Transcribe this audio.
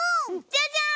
じゃじゃん！